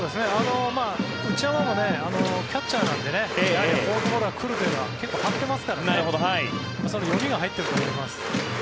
内山もキャッチャーなんでやはりフォークボールは来るというのは結構張っていますからそれ、読みが入っていると思います。